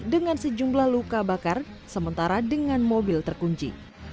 dengan sejumlah luka bakar sementara dengan mobil terkunci